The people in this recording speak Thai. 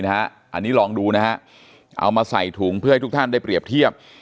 อันนี้ลองดูนะฮะเอามาใส่ถุงเพื่อให้ทุกท่านได้เปรียบเทียบ